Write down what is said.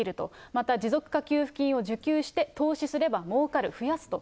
また持続化給付金を受給して投資すればもうかる、増やすと。